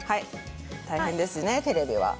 大変ですね、テレビは。